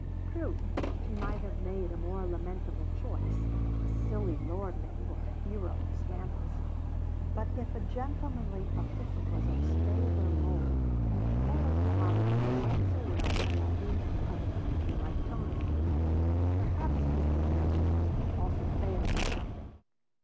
True, she might have made a more lamentable choice; a silly lordling, or a hero of scandals; but if a gentlemanly official was of stabler mould, he failed to harmonize quite so well with the idea of a creature like Tony. Perhaps Mr. Redworth also failed in something.